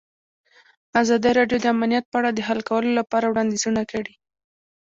ازادي راډیو د امنیت په اړه د حل کولو لپاره وړاندیزونه کړي.